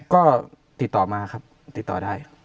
ก็ติดต่อมาครับติดต่อได้